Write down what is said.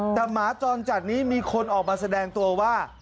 แต่หมาจรจัดนี้มีคนออกมาแสดงตัวว่า